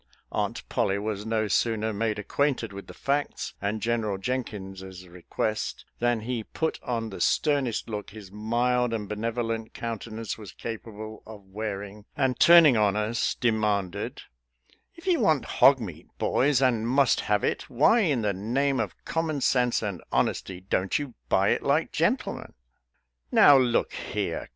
Aunt Pollie was no sooner made acquainted with the facts and Gen eral Jenkins's request, than he put on the stern est look his mild and benevolent countenance was capable of wearing, and turning on us, de manded, " If you want hog meat, boys, and must have it, why in the name of common sense and hon esty don't you buy it like gentlemen.? " "Now, look here.